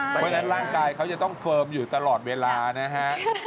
เพราะฉะนั้นร่างกายเขาจะต้องเฟิร์มอยู่ตลอดเวลานะฮะ